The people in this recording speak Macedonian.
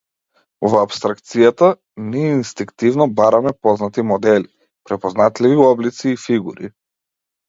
Во апстракцијата, ние инстинктивно бараме познати модели, препознатливи облици и фигури.